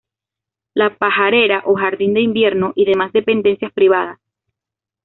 La pajarera o jardín de invierno y demás dependencias privadas.